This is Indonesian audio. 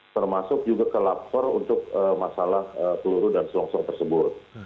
termasuk juga ke lapor untuk masalah peluru dan selongsong tersebut